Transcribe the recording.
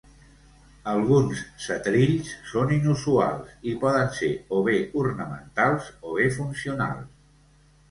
Alguns setrills són inusuals, i poden ser o bé ornamentals o bé funcionals.